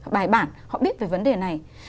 bài bản họ biết về vấn đề này